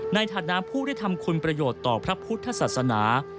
ในฐานะผู้ได้ทำคุณประโยชน์ต่อพระพุทธศาสนา